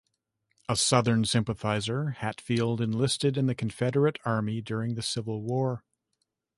A Southern sympathizer, Hatfield enlisted in the Confederate Army during the Civil War.